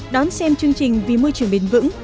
đón xem chương trình vì môi trường bền vững